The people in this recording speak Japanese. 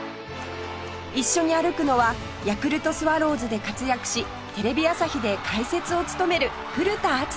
一緒に歩くのはヤクルトスワローズで活躍しテレビ朝日で解説を務める古田敦也さん